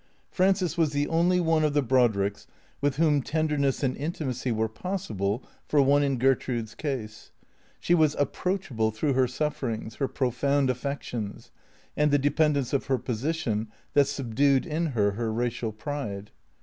Frances was the only one of the Brodricks with whom tender ness and intimacy were possible for one in Gertrude's ease. She was approachable through her sufferings, her profound affec tions, and the dependence of her position that subdued in her her racial pride.